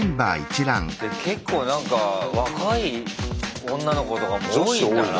結構なんか若い女の子とかも多いんだな。